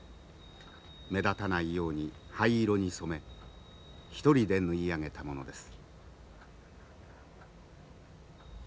目立たないように灰色に染め一人で縫い上げたものです。